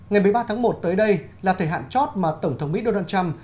ngày một mươi ba tháng một tới đây là thời hạn chót mà tổng thống mỹ donald trump